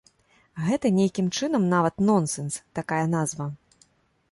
Гэта нейкім чынам нават нонсенс, такая назва.